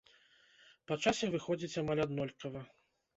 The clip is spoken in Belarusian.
Па часе выходзіць амаль аднолькава.